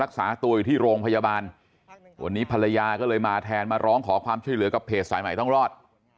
รักษาตัวอยู่ที่โรงพยาบาลวันนี้ภรรยาก็เลยมาแทนมาร้องขอความช่วยเหลือกับเพจสายใหม่ต้องรอด